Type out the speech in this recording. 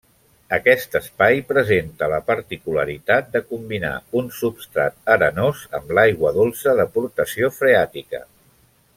Aquest espai presenta la particularitat de combinar un substrat arenós amb l'aigua dolça d'aportació freàtica.